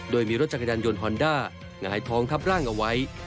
โดยมีรถจักรยานยนต์ฮอนด้าหงายท้องทับร่างเอาไว้